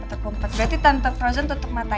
tante frozen tutup mata ya